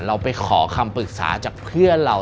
เราไปขอคำปรึกษาจากเพื่อนเรา